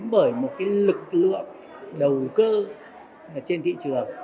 với một cái lực lượng đầu cơ trên thị trường